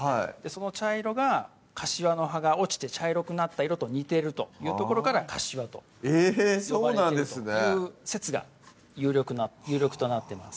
その茶色がかしわの葉が落ちて茶色くなった色と似てるというところからかしわと呼ばれているという説が有力となってます